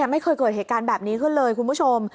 ไม่เคยเกิดเหตุการณ์แบบนี้ขึ้นเลยคุณผู้ชม